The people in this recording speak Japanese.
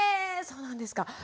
そうなんですか。